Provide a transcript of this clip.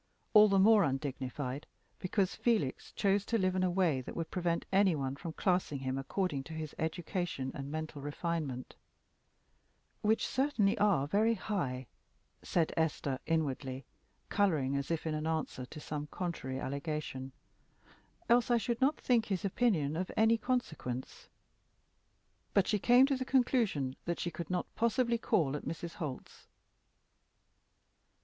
All the more undignified because Felix chose to live in a way that would prevent any one from classing him according to his education and mental refinement "which certainly are very high," said Esther, inwardly, coloring, as if in answer to some contrary allegation, "else I should not think his opinion of any consequence." But she came to the conclusion that she could not possibly call at Mrs. Holt's.